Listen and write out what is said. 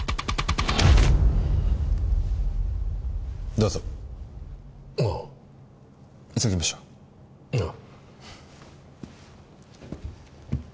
どうぞああ急ぎましょうああ・